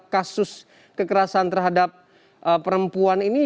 kasus kekerasan terhadap perempuan ini